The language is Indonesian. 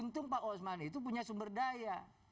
untung pak osman itu punya sumber daya